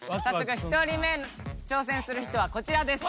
１人目挑戦する人はこちらです。